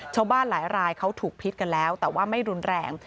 ชาวบ้านหลายรายเขาถูกพิษกันแล้วแต่ว่าไม่รุนแรง